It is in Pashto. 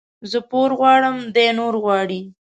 زه پور غواړم ، دى نور غواړي.